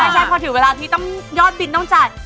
ใช่พอถือเวลาที่ยอดบิลต้องจ่าย